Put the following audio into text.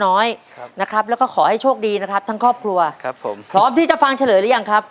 น้อยครับนะครับแล้วก็ขอให้โชคดีนะครับทั้งครอบครัวครับผมพร้อมที่จะฟังเฉลยหรือยังครับ